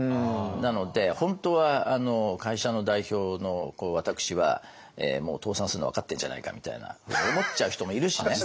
なので本当は会社の代表の私はもう倒産するの分かってんじゃないかみたいな思っちゃう人もいるしね。